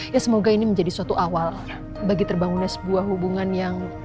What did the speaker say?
ya semoga ini menjadi suatu awal bagi terbangunnya sebuah hubungan yang